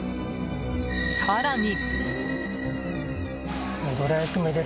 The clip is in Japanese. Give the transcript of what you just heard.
更に。